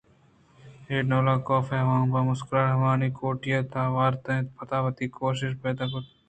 اے ڈول کافءَ آوان پہ مسکرا ءُمہروانی کوٹی ءِ تہا آورت اَنتءُپدا وتی کوش پاِدا کُت ءُ ڈنّءَ درکپت